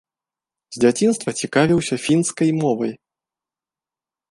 З дзяцінства цікавіўся фінскай мовай.